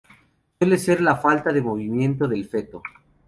Suele ser la falta de movimiento del feto.